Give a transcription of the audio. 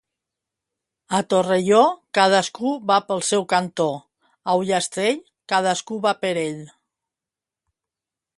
A Terrelló, cadascú va pel seu cantó; a Ullastrell, cadascú va per ell.